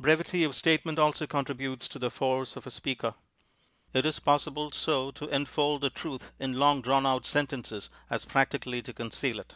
Brevity of statement also contributes to the force of a speaker. It is possible so to enfold a truth in long draw^n out sentences as practi INTRODUCTION cally to conceal it.